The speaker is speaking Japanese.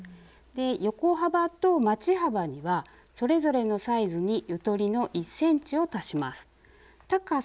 横幅とまち幅にはそれぞれのサイズにゆとりの１ｃｍを足します。